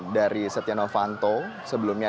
dari setia novanto sebelumnya